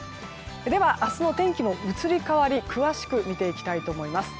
では明日の天気の移り変わり詳しく見ていきたいと思います。